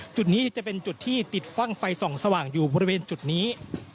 จุดนี้จะเป็นจุดที่ติดฟั่งไฟส่องสว่างอยู่บริเวณจุดนี้